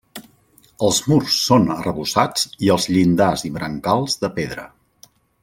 Els murs són arrebossats i els llindars i brancals de pedra.